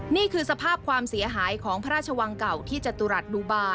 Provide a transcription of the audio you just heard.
นี่คือสภาพความเสียหายของพระราชวังเก่าที่จตุรัสดูบา